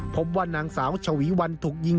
พบว่านางสาวชวีวันถูกยิง